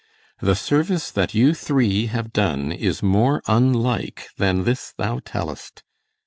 The service that you three have done is more Unlike than this thou tell'st.